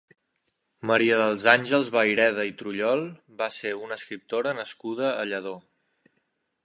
Maria dels Àngels Vayreda i Trullol va ser una escriptora nascuda a Lladó.